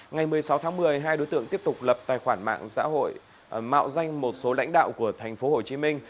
ngày một mươi sáu tháng một mươi hai đối tượng tiếp tục lập tài khoản mạng xã hội mạo danh một số lãnh đạo của thành phố hồ chí minh